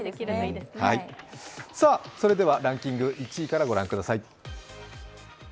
それではランキング、１位からご覧ください。